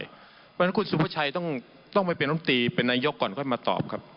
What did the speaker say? เพราะฉะนั้นคุณสุภาชัยต้องไปเป็นลมตีเป็นนายกก่อนค่อยมาตอบครับ